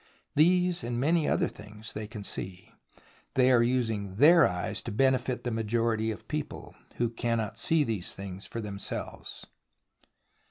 These and many other things they can see. They are using their eyes to benefit the majority of people, who cannot see these things for themselves.